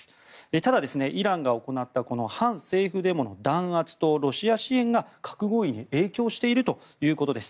ただイランが行ったこの反政府デモの弾圧とロシア支援が核合意に影響しているということです。